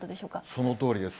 そのとおりです。